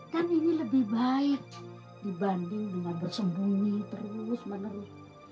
dan ini lebih baik dibanding dengan bersembunyi terus menerus